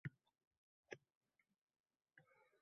Ajdodlarimiz nikohga o‘ta mas'uliyat bilan yondashishgan